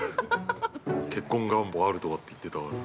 ◆結婚願望あるとかって言ってたから。